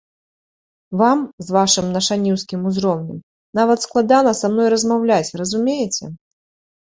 Вам, з вашым нашаніўскім узроўнем, нават складана са мной размаўляць, разумееце.